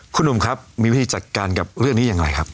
คุณหนุ่มครับมีวิธีจัดการกับเรื่องนี้อย่างไรครับ